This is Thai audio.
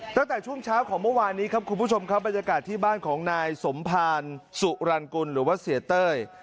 ตั้งแต่ช่วงเช้าของเมื่อวานนี้ครับคุณผู้ชมครับบรรยากาศที่บ้านของนายสมภารสุรรณกุลหรือว่าเสียเต้ย